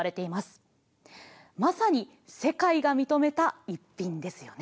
まさに世界が認めた一品ですよね。